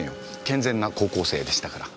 健全な高校生でしたから。